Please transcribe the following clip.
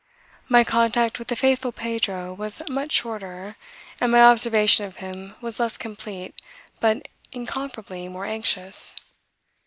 My contact with the faithful Pedro was much shorter and my observation of him was less complete but incomparably more anxious.